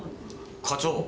課長！